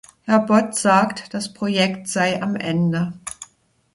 Herr Bot sagt, das Projekt sei am Ende.